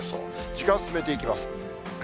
時間を進めていきます。